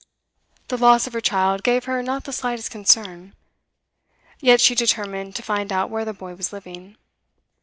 The loss of her child gave her not the slightest concern, yet she determined to find out where the boy was living.